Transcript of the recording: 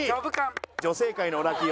女性界のオラキオ。